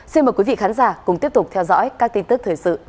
xin mời quý vị khán giả cùng tiếp tục theo dõi các tin tức thời sự ngay sau đây